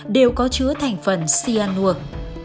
đều có chứa thành phần cyanur